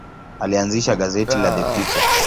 Alianzisha gazeti la The People.